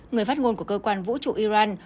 người phát ngôn của cơ quan vũ trụ iran